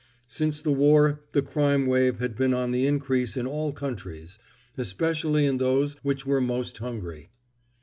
Since the war the crime wave had been on the increase in all countries—especially in those which were most hungry.